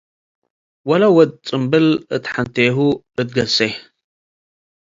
ወለወድ ጽምብል እት ሐንቴሁ ልትገሴ ።